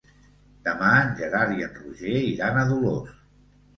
Demà en Gerard i en Roger iran a Dolors.